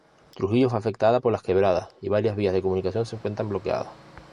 Trujillo fue afectada por las quebradas y varias vías de comunicación se encuentran bloqueadas.